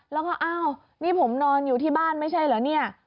แล้วก็อ้าวนี่ผมนอนอยู่ที่บ้านไม่ใช่เหรอเนี่ย